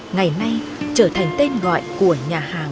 ngày nay trở thành tên gọi của nhà hàng